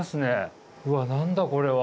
うわっ何だこれは。